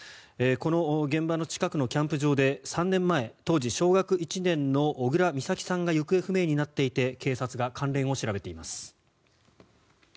この現場の近くのキャンプ場で３年前、当時小学１年の小倉美咲さんが行方不明になっていて警察が関連を調べています。